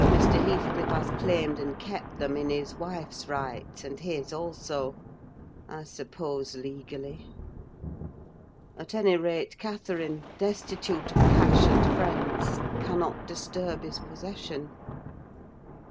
However, Mr. Heathcliff has claimed and kept them in his wife's right and his also: I suppose legally; at any rate, Catherine, destitute of cash and friends, cannot disturb his possession.